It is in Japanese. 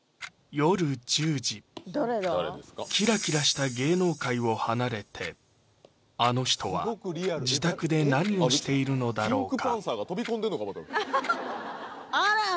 夜１０時キラキラした芸能界を離れてあの人は自宅で何をしているのだろうか？